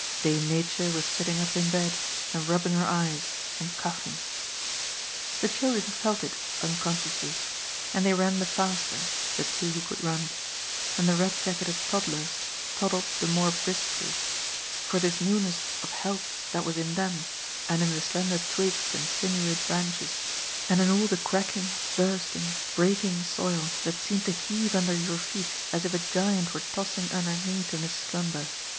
Dame Nature was sitting up in bed and rubbing her eyes, and coughing. The children felt it, unconsciously. And they ran the faster — ^the two who could run — and the red jacketed toddlers toddled the more briskly — ^for this newness of // 326 GOD'S POOL. health that was in them, and in the slender twigs and sinewy branches, and in all the cracking, bursting, breaking soil that seemed to heave nnder your feet, as if a giant were tossing underneath in his slumber.